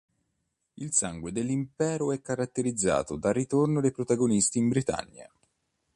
Il sangue dell'impero è caratterizzato dal ritorno dei protagonisti in Britannia.